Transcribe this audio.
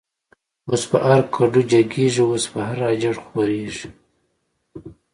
اوس په هر کډو جگیږی، اوس په هر”اجړ” خوریږی